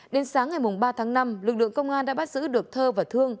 đến sáng ngày ba tháng năm lực lượng công an đã bắt giữ được thơ và thương